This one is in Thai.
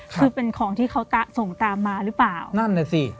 คือเป็นของที่เขาส่งตามมาหรือเปล่านั่นน่ะสิ